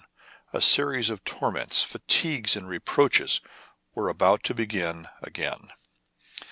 A series of torments, fatigues, and reproaches were about to begin again.